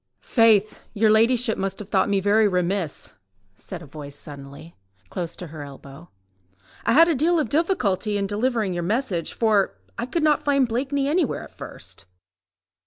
... "Faith! your ladyship must have thought me very remiss," said a voice suddenly, close to her elbow. "I had a deal of difficulty in delivering your message, for I could not find Blakeney anywhere at first